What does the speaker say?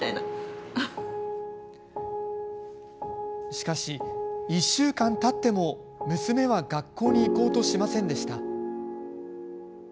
しかし、１週間たっても娘は学校に行こうとしませんでした。